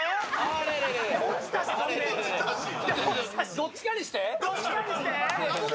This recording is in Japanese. どっちかにして。